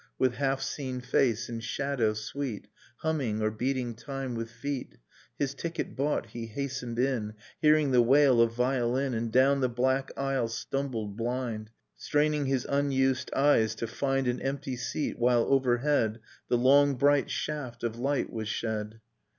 With half seen face, in shadow, sweet, Humming, or beating time with feet. His ticket bought he hastened in, Hearing the wail of violin, And down the black aisle stumbled, blind, Straining his unused eyes, to find An empty seat, while overhead The long bright shaft of light was shed.